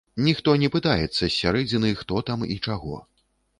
Ніхто не пытаецца з сярэдзіны, хто там і чаго.